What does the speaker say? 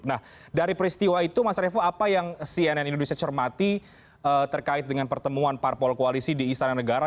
nah dari peristiwa itu mas revo apa yang cnn indonesia cermati terkait dengan pertemuan parpol koalisi di istana negara